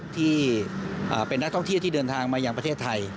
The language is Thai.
ที่เป็นนักท่องเที่ยวที่เดินทางมายังประเทศไทย